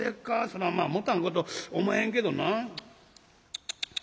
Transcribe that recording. そらまあ持たんことおまへんけどな」。